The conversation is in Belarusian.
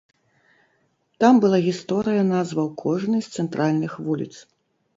Там была гісторыя назваў кожнай з цэнтральных вуліц.